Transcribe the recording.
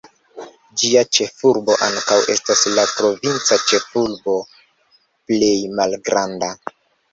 Ĝia ĉefurbo ankaŭ estas la provinca ĉefurbo plej malgranda.